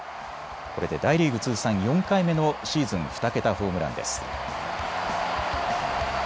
これで大リーグ通算４回目のシーズン２桁ホームランです。